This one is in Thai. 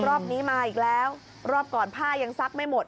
รอบนี้มาอีกแล้วรอบก่อนผ้ายังซักไม่หมด